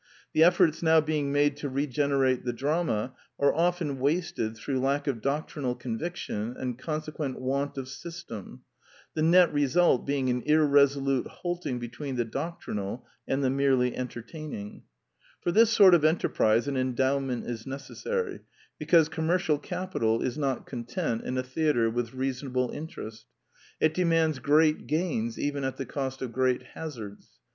The efforts now being made to regenerate the drama are often Wasted through lack of doctrinal conviction and consequent want of system, the net result being an irresolute halting between the doctrinal and the merely entertaining. F/)r this sort of enterprise an endowment is necessary, because commercial capital is not con 240 The Quintessence of Ibsenism tent in a theatre with reasonable interest: it de mands great gains even at the cost of great hazards.